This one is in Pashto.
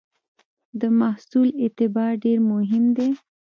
د محصول اعتبار ډېر مهم دی.